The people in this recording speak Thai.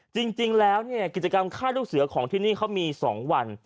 จริงแล้วเนี่ยกิจกรรมฆ่าลูกเสือของที่นี่เขามี๒วัน